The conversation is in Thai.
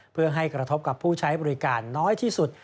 เพื่อให้กระทบกับผู้ใช้บริการน้อยที่สุด